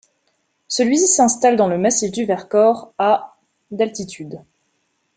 Celui-ci s'installe dans le massif du Vercors à d'altitude.